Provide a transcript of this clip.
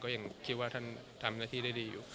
ยังคิดว่าท่านทำหน้าที่ได้ดีอยู่